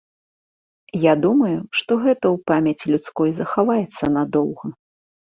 Я думаю, што гэта ў памяці людской захаваецца надоўга.